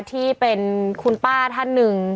ที่เป็นคุณป้าท่านหนึ่ง